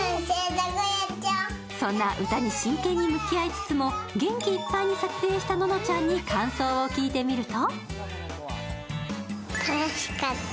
そんな歌に真剣に向き合いつつも元気いっぱいに撮影したののちゃんに感想を聞いてみると。